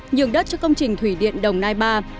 nhường đất cho công trình thủy điện đồng nai ba